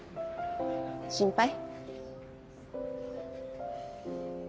心配？